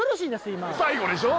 今最後でしょ